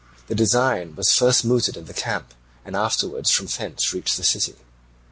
The design was first mooted in the camp, and afterwards from thence reached the city.